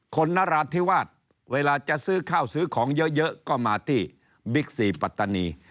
นราธิวาสเวลาจะซื้อข้าวซื้อของเยอะก็มาที่บิ๊กซีปัตตานี